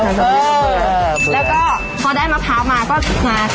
เออแล้วก็พอได้มะพร้าวมาก็มา